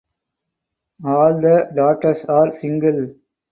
All the daughters are single.